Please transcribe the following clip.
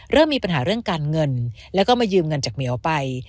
เริ่มมีปัญหาเรื่องการเงินแล้วก็มายืมเงินจากเหมียวไป